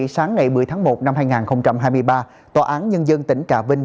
sáng ngày một mươi tháng một năm hai nghìn hai mươi ba tòa án nhân dân tỉnh trà vinh